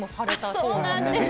そうなんです。